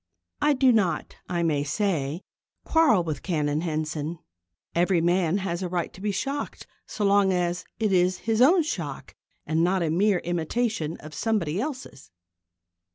I do not, I may say, quarrel with Canon Henson. Every man has a right to be shocked so long as it is his own shock and not a mere imitation of somebody else's.